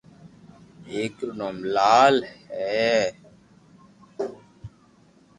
اآڪ رو نوم لال ھي